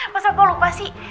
masa kok lupa sih